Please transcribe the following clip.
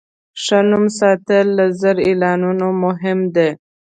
ښه نوم ساتل له زر اعلانونو مهم دی.